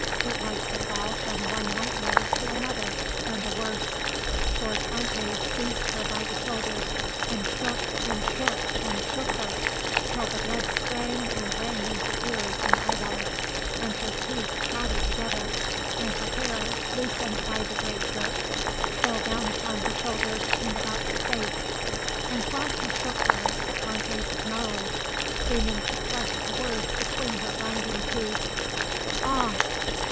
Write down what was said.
It was to fall from one nightmare to another and a worse; for Tante seized her by the shoulders and shook and shook and shook her, till the blood sprang and rang in her ears and eyeballs, and her teeth chattered together, and her hair, loosened by the great jerks, fell down upon her shoulders and about her face. And while she shook her, Tante snarled seeming to crush the words between her grinding teeth, "Ah!